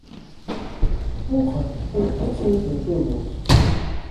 Mmuqqel! Ha-tt yiwet n tuḍut.